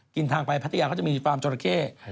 ทางไปพัทยาเขาจะมีฟาร์มจราเข้